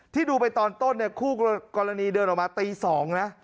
ดูไปตอนต้นเนี่ยคู่กรณีเดินออกมาตี๒นะ